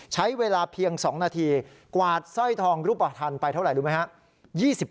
ใช้เวลาเพียง๒นาทีกวาดสร้อยทองรูปภัณฑ์ไปเท่าไหร่รู้ไหมครับ